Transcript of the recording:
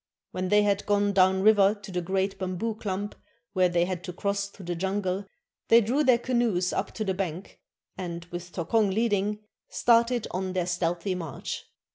When they had gone down river to the great bamboo clump where they had to cross through the jungle, they drew their canoes up to the bank, and, with Tokong leading, started on their stealthy march.